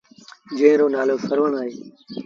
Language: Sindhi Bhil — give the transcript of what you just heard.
جݩهݩ رو نآلو سروڻ اهي۔